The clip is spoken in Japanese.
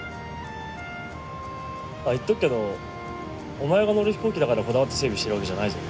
あっ言っとくけどお前が乗る飛行機だからこだわって整備してるわけじゃないぞ。